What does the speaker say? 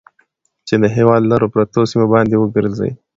چې د هېواد لرو پرتو سيمو باندې وګرځي.